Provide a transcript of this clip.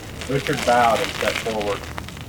Richard bowed and stepped forward.